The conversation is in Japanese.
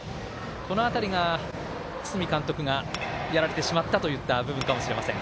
この辺りが堤監督がやられてしまったといった部分かもしれません。